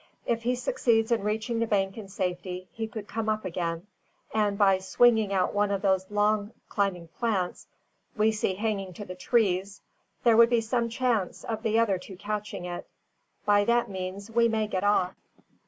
If he succeeds in reaching the bank in safety, he could come up again, and by swinging out one of those long climbing plants we see hanging to the trees, there would be some chance of the other two catching it. By that means we may get off."